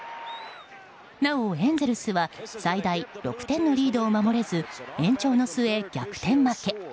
なおエンゼルスは最大６点のリードを守れず延長の末、逆転負け。